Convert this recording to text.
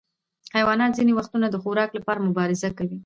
حیوانات ځینې وختونه د خوراک لپاره مبارزه کوي.